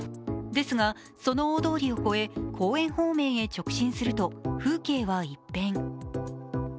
ですが、その大通りを越え、公園方面へ直進すると風景は一変。